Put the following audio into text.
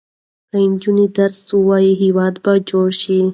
که نجونې درس ووايي، هېواد به جوړ شي.